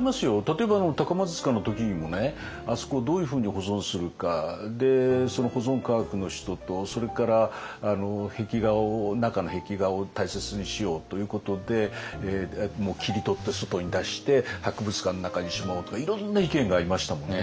例えば高松塚の時にもねあそこをどういうふうに保存するかその保存科学の人とそれから中の壁画を大切にしようということで切り取って外に出して博物館の中にしまおうとかいろんな意見がありましたもんね。